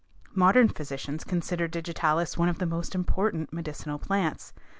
Modern physicians consider digitalis one of the most important medicinal plants.